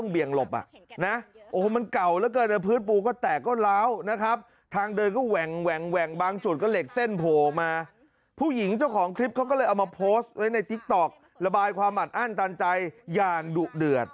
เบียงหลบอ่ะนะโอ้มันเก่าแล้วก็ในพื้นปูก็แตกก็ร้าวนะครับทางเดินก็แหว่งแหว่งแหว่งบางจุดก็เหล็กเส้นโผล่มาผู้หญิงเจ้าของคลิปเขาก็เลยเอามาโพสต์ไว้ในติ๊กต๊อกระบายความอันอ้านตันใจอย่างดุเดือด